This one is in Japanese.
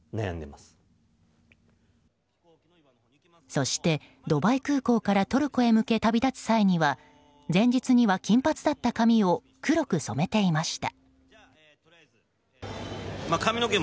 そして、ドバイ空港からトルコへ向け旅立つ際には前日には金髪だった髪を黒く染めていました。